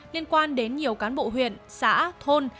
liên quan đến nhiều cán bộ huyện xã thôn